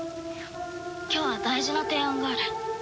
今日は大事な提案がある。